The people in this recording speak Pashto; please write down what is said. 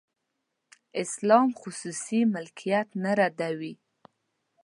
اسلام خصوصي ملکیت نه ردوي.